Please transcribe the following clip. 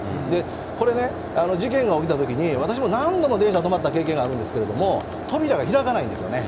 これね、事件が起きたときに私も何度も電車止まった経験があるんですけれども、扉が開かないんですよね。